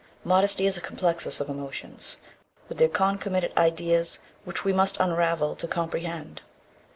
Modesty is a complexus of emotions with their concomitant ideas which we must unravel to comprehend.